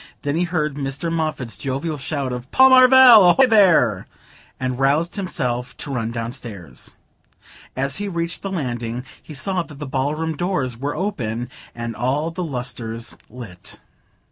Then he heard Mr. Moffatt's jovial shout of "Paul Marvell, ahoy there!" and roused himself to run downstairs. As he reached the landing he saw that the ballroom doors were open and all the lustres lit.